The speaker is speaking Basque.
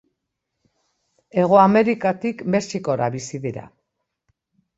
Hego Amerikatik Mexikora bizi dira.